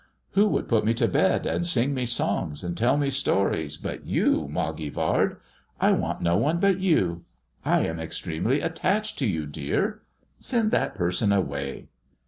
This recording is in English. Who would put me to bed and sing me songs, and tell me stories, but you, Mogg; Vard 1 1 want no one but you. I am extremely attache( to you, dear. Send that person away."